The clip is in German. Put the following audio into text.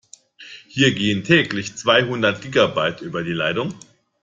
Hier gehen täglich zweihundert Gigabyte über die Leitung.